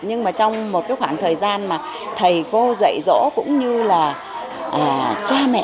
nhưng mà trong một cái khoảng thời gian mà thầy cô dạy dỗ cũng như là cha mẹ